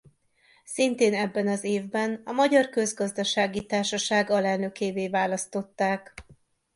Szintén ebben az évben a Magyar Közgazdasági Társaság alelnökévé választották.